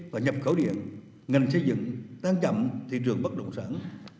và nhập khẩu điện ngành xây dựng tăng chậm thị trường bất động sản